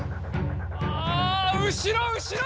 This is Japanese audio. あぁ後ろ後ろ！